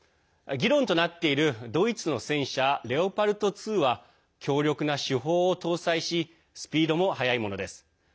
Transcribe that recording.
議論となっているドイツの戦車レオパルト２は強力な主砲を搭載しスピードも速いものです。